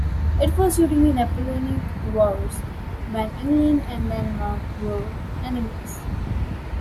It was during the Napoleonic Wars when England and Denmark were enemies.